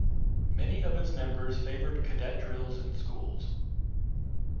Many of its members favoured cadet drills in schools.